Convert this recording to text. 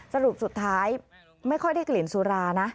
สรุปสุดท้ายไม่ค่อยได้กลิ่นสุรานะ